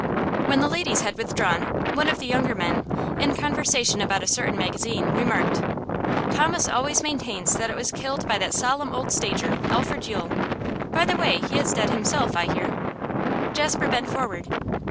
When the ladies had withdrawn, one of the younger men, in a conversation about a certain magazine, remarked: 'Thomas always maintains that it was killed by that solemn old stager, Alfred Yule. By the way, he is dead himself, I hear.' Jasper bent forward.